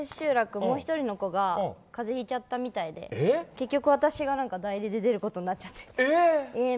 もう１人の子が風邪ひいちゃったみたいで結局私が代理で出ることになっちゃって。